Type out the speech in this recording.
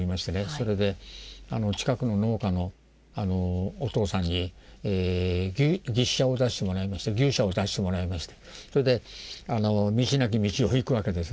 それで近くの農家のお父さんに牛車を出してもらいましてそれで道なき道を行くわけですね。